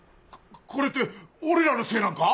ここれって俺らのせいなんか？